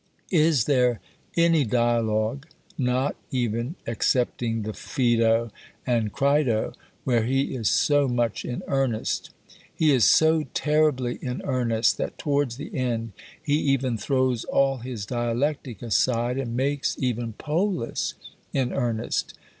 Is there any Dialogue, not even excepting the Phaedo and Crito, where he is so much in earnest? He is so terribly in earnest that towards the end he even throws all his dialectic aside, and makes even Polus in earnest.